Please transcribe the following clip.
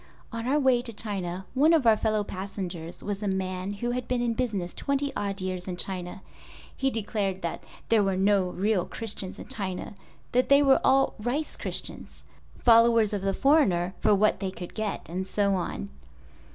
On our way to China one of our fellow passengers was a man who had been in business twenty odd years in China. He declared there were no real Christians in China, that they were all "rice" Christians—followers of the foreigner for what they could get and so on.